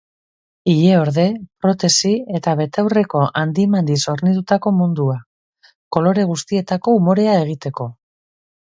Ileorde, protesi eta betaurreko handi-mandiz hornitutako mundua, kolore guztietako umorea egiteko.